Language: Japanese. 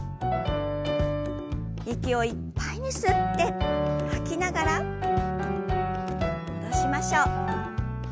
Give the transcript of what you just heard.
息をいっぱいに吸って吐きながら戻しましょう。